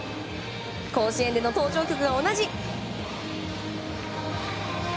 甲子園での登場曲は同じ。